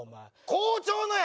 校長のや！